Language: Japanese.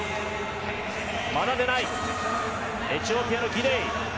まだ出ないエチオピアのギデイ。